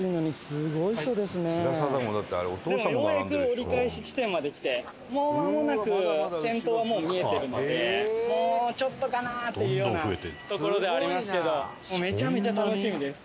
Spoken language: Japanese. でもようやく折り返し地点まで来てもうまもなく先頭はもう見えてるのでもうちょっとかなっていうようなところではありますけど。